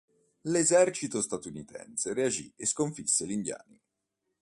L'esercito statunitense reagì e sconfisse gli indiani.